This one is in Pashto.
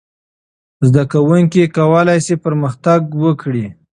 زده کوونکي کولای سي پرمختګ وکړي.